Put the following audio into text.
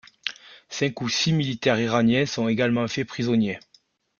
Cinq ou six militaires iraniens sont également faits prisonniers.